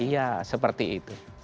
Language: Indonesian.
iya seperti itu